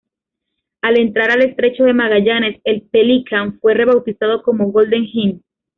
Al entrar al estrecho de Magallanes el Pelican fue rebautizado como Golden Hind.